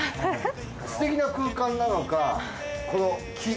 すてきな空間なのかこの木。